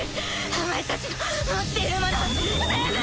お前たちの持っているもの全部！